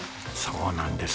そうなんです。